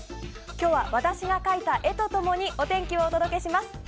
今日は私が描いた絵と共にお天気をお届けします。